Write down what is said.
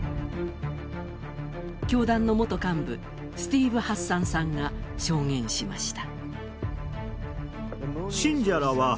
教団の元幹部、スティーブ・ハッサンさんが証言しました。